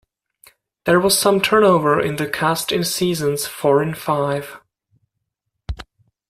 There was some turnover in the cast in seasons four and five.